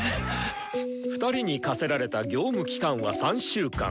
２人に課せられた業務期間は３週間。